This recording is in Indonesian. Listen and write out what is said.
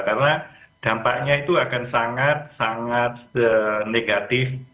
karena dampaknya itu akan sangat sangat negatif